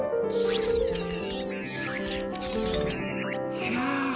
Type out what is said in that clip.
ひゃ。